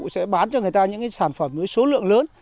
sẽ bán cho người ta những sản phẩm với số lượng lớn